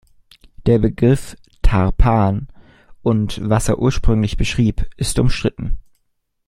Der Begriff „Tarpan“, und was er ursprünglich beschrieb, ist umstritten.